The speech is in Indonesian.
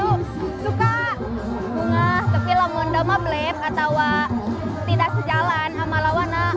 suka bunga tapi kalau domba blek atau tidak sejalan sama lawan